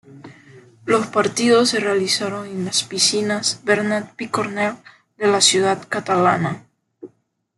Los partidos se realizaron en las Piscinas Bernat Picornell de la ciudad catalana.